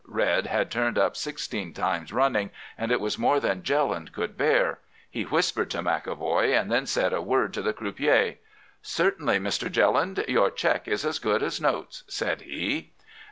Red had turned up sixteen times running, and it was more than Jelland could bear. He whispered to McEvoy, and then said a word to the croupier. "'Certainly, Mr. Jelland; your cheque is as good as notes,' said he.